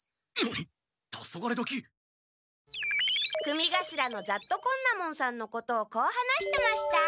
組頭の雑渡昆奈門さんのことをこう話してました。